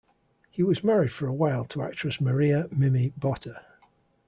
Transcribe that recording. He was married for a while to actress Maria "Mimi" Botta.